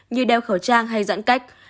như đeo khẩu trang hay giãn cách